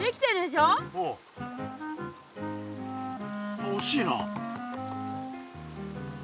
あっおしいな。